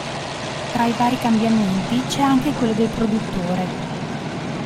Tra i vari cambiamenti, c'è anche quello del produttore.